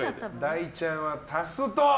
だいちゃんは足すと。